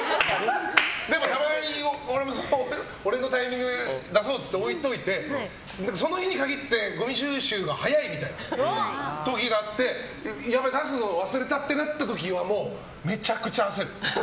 でもたまに俺のタイミングで出そうと置いておいてその日に限ってごみ収集が早い時があってやべえ、出すの忘れたってなった時はめちゃくちゃ焦る。